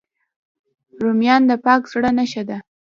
رومیان د پاک زړه نښه ده